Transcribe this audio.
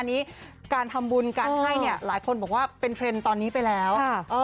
อันนี้การทำบุญการให้เนี่ยหลายคนบอกว่าเป็นเทรนด์ตอนนี้ไปแล้ว